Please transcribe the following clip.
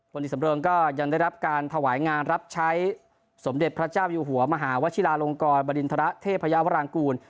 วันนี้สำเริงก็ยังได้รับการถวายงานรับใช้สมเด็จพระเจ้าอยู่หัวมหาวชิลาลงกรบริณฑระเทพยาวรางกูล